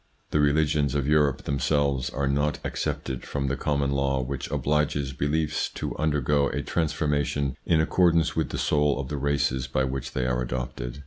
The religions of Europe themselves are not excepted from the common law which obliges beliefs to under ITS INFLUENCE ON THEIR EVOLUTION 89 go a transformation in accordance with the soul of the races by which they are adopted.